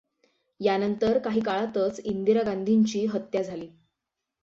यानंतर काही काळातच इंदिरा गांधींची हत्या झाली.